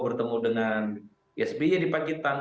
bertemu dengan sbi di pancitan